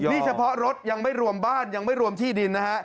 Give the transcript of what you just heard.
นี่เฉพาะรถยังไม่รวมบ้านยังไม่รวมที่ดินนะฮะ